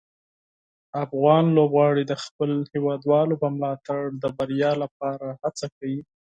افغان لوبغاړي د خپلو هیوادوالو په ملاتړ د بریا لپاره هڅه کوي.